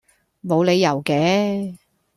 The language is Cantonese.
無理由既